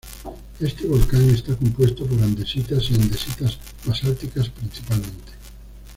Este volcán está compuesto por andesitas y andesitas basálticas principalmente.